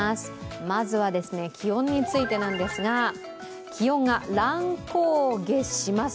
まずは気温についてなんですが、気温が乱高下します。